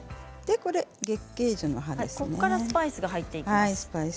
ここからスパイスが入っていきます。